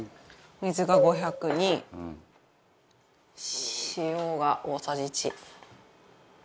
水が５００に塩が大さじ１。